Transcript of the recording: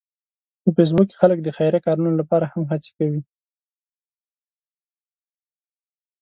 په فېسبوک کې خلک د خیریه کارونو لپاره هم هڅې کوي